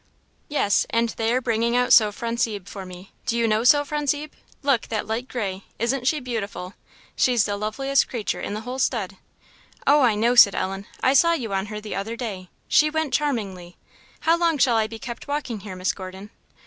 "Yes, and they are bringing out Sophronisbe for me do you know Sophronisbe? Look, that light gray; isn't she beautiful? she's the loveliest creature in the whole stud." "O, I know!" said Ellen; "I saw you on her the other day; she went charmingly. How long shall I be kept walking here, Miss Gordon?"